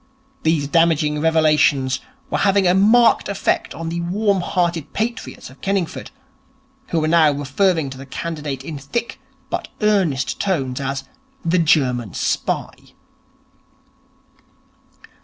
These damaging revelations were having a marked effect on the warm hearted patriots of Kenningford, who were now referring to the candidate in thick but earnest tones as 'the German Spy'.